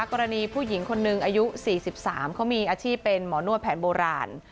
กรณีผู้หญิงคนหนึ่งอายุ๔๓เขามีอาชีพเป็นหมอนวดแผนโบราณ